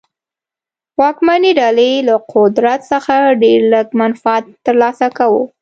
واکمنې ډلې له قدرت څخه ډېر لږ منفعت ترلاسه کاوه.